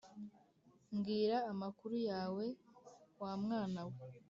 mbwira amakuru yawe wa mwana we